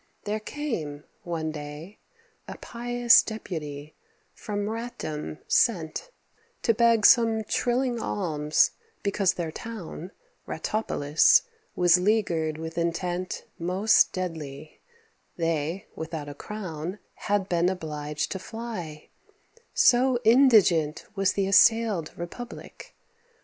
There came, one day, A pious deputy, from Ratdom sent, To beg some trilling alms, because their town Ratopolis was leaguered with intent Most deadly; they, without a crown, Had been obliged to fly, so indigent Was the assailed republic.